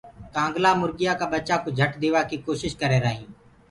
ڪآنگلآ مُريآ ڪآ ٻچآ ڪوُ جھٽ ديوآ ڪي ڪوشش ڪر رهيرو هي۔